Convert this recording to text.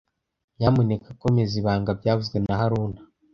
Nyamuneka komeza ibanga byavuzwe na haruna